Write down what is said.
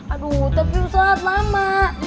aduh tapi ustaz lama